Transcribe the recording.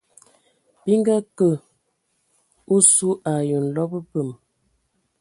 Bi nga kə osu ai nlɔb mbəm.